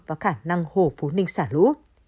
và khả năng hồ phú ninh xả lũ